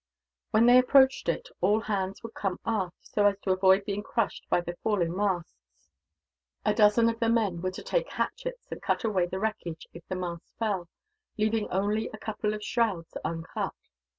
When they approached it, all hands would come aft, so as to avoid being crushed by the falling masts. A dozen of the men were to take hatchets, and cut away the wreckage if the mast fell, leaving only a couple of the shrouds uncut.